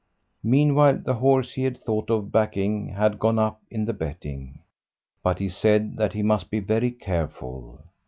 Meanwhile the horse he had thought of backing had gone up in the betting. But he said that he must be very careful.